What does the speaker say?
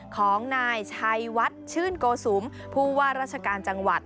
ของนายชัยวัดชื่นโกสุมผู้ว่าราชการจังหวัด